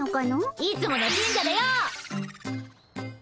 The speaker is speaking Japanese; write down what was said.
いつもの神社だよ。